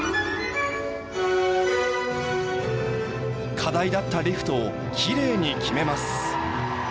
課題だったリフトを奇麗に決めます。